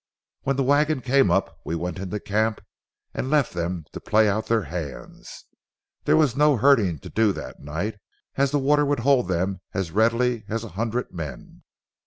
When the wagon came up we went into camp and left them to play out their hands. There was no herding to do that night, as the water would hold them as readily as a hundred men."